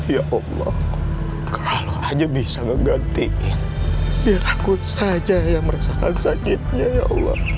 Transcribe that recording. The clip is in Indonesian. ya allah kalau aja bisa ngegantiin biar aku saja yang merasakan sakitnya ya allah